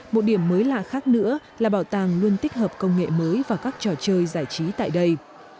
một điểm mới lạ khác nữa là bảo tàng luôn tích hợp công nghệ mới vào các trò chơi giải trí tại đây